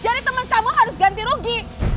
jadi temen kamu harus ganti rugi